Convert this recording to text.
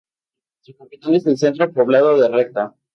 Su capital es el centro poblado de Recta